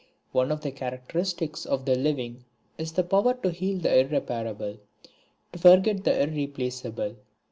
One of the characteristics of the living is the power to heal the irreparable, to forget the irreplaceable.